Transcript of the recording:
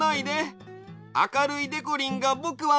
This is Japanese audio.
あかるいでこりんがぼくはすきだよ！